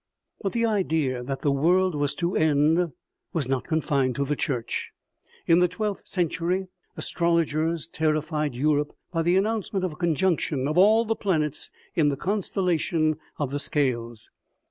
But the idea that the world was to end was not con fined to the Church. In the twelfth century astrologers terrified Europe by the announcement of a conjunction of all the planets in the constellation of the scales.